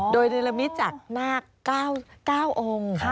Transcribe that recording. โดยเดินละมิตรจากหน้าก้าวองค์